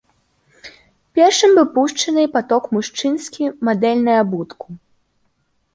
Першым быў пушчаны паток мужчынскі мадэльнай абутку.